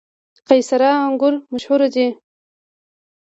قیصار انګور مشهور دي؟